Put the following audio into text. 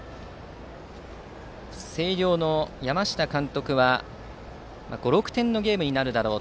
星稜の山下監督は５６点のゲームになるだろう。